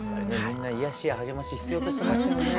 みんな癒やしや励まし必要としてますよね。